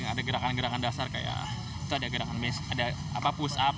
ada gerakan gerakan dasar kayak itu ada gerakan push up